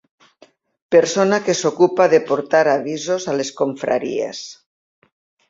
Persona que s'ocupa de portar avisos a les confraries.